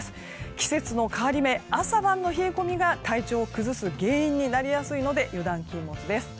季節の変わり目朝晩の冷え込みが体調を崩す原因になりやすいので油断禁物です。